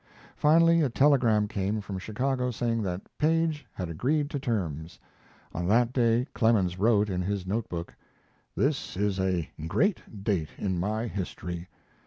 Finally a telegram came from Chicago saying that Paige had agreed to terms. On that day Clemens wrote in his note book: This is a great date in my history.